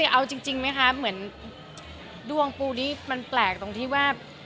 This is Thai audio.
เอาจริงไหมคะเหมือนดวงปูนี้มันแปลกตรงที่ว่า